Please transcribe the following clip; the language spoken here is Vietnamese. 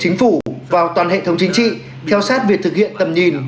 chính phủ vào toàn hệ thống chính trị theo sát việc thực hiện tầm nhìn